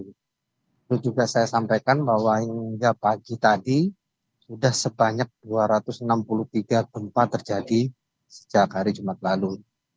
itu juga saya sampaikan bahwa hingga pagi tadi sudah sebanyak dua ratus enam puluh tiga gempa terjadi sejak hari jumat lalu